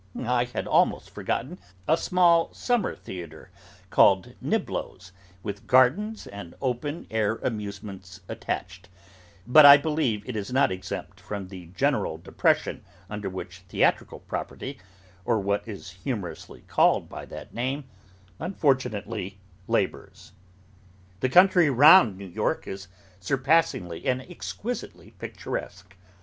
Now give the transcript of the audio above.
I had almost forgotten a small summer theatre, called Niblo's, with gardens and open air amusements attached; but I believe it is not exempt from the general depression under which Theatrical Property, or what is humorously called by that name, unfortunately labours. The country round New York is surpassingly and exquisitely picturesque.